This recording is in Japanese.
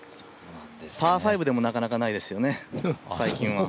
パー５でもなかなかないですよね、最近は。